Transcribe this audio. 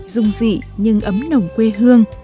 dung dị nhưng ấm nồng quê hương